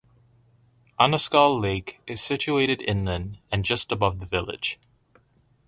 Annascaul Lake is situated inland and just above the village.